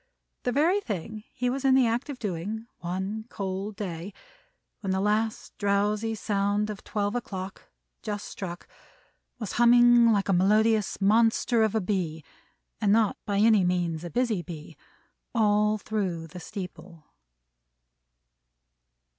The very thing he was in the act of doing one cold day, when the last drowsy sound of Twelve o'clock, just struck, was humming like a melodious monster of a Bee, and not by any means a busy Bee, all through the steeple?